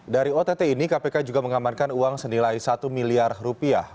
dari ott ini kpk juga mengamankan uang senilai satu miliar rupiah